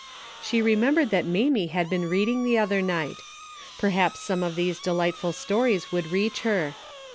She remembered that Mamie had been reading the other night. Perhaps some of these delightful stories would reach her.